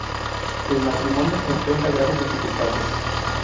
El matrimonio enfrenta graves dificultades.